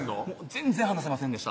全然話せませんでした